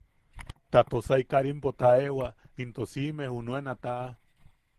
Ta Tosai Karimpo taʼewa into siʼime junen a taʼa.